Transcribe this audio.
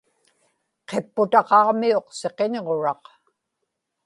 qipputaqaġmiuq siqiñġuraq